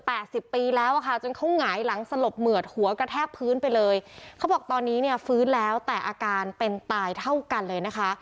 สิบปีแล้วอ่ะค่ะจนเขาหงายหลังสลบเหมือดหัวกระแทกพื้นไปเลยเขาบอกตอนนี้เนี่ยฟื้นแล้วแต่อาการเป็นตายเท่ากันเลยนะคะ